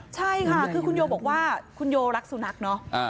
ใช่ค่ะคือคุณโยบอกว่าคุณโยรักสุนัขเนอะ